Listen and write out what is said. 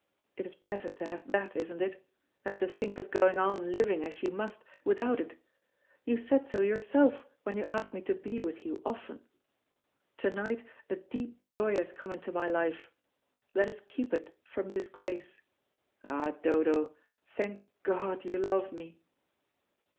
It is better to have that, isn't it? than to think of going on living, as you must, without it. You said so yourself when you asked me to be with you often. To night a deep joy has come into my life; let us keep it from disgrace. Ah, Dodo, thank God you love me."